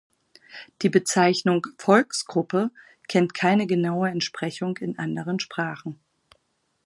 Die Bezeichnung "Volksgruppe" kennt keine genaue Entsprechung in anderen Sprachen.